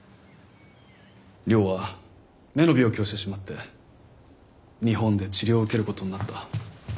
亮は目の病気をしてしまって日本で治療を受ける事になった。